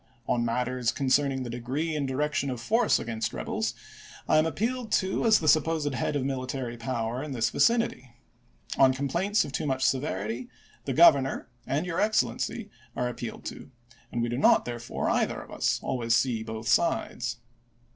On matters concerning the degree and direction of force against rebels, I am appealed to as the supposed head of military power in this vicinity. On complaints of too much severity, the Governor and Your Excellency are appealed to, and we do not, therefore, either of us, always see both sides.